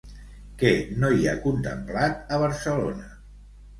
Què no hi ha contemplat a Barcelona?